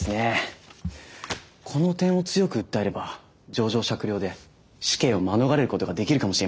この点を強く訴えれば情状酌量で死刑を免れることができるかもしれません。